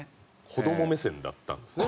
子ども目線だったんですね